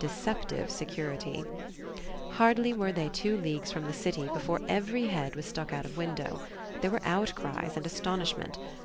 Deceptive security! Hardly were they two leagues from the city before every head was stuck out of window. There were outcries and astonishment.